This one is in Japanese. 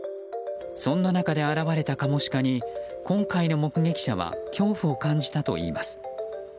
そんな中で現れたカモシカに今回の目撃者は恐怖を感じたといいます。